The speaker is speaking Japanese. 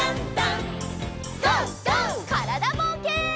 からだぼうけん。